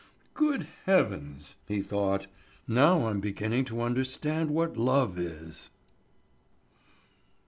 "Good heavens!" he thought. "Now I'm beginning to understand what love is."